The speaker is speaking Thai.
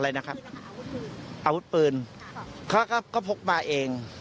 อะไรนะครับอาวุธปืนเขาก็พกมาเอง